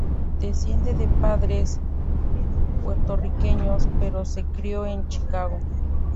Desciende de padres puertorriqueños pero se crio en Chicago.